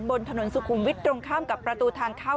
บนถนนสุขุมวิทย์ตรงข้ามกับประตูทางเข้า